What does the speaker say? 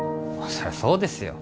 そりゃそうですよ